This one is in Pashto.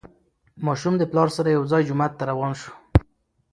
ماشوم له پلار سره یو ځای جومات ته روان شو